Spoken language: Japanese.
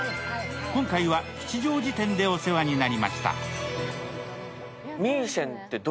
今回は吉祥寺店でお世話になりました。